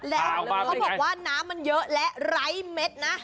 และเขาบอกว่าน้ำมันเยอะและไร้เม็ดนะ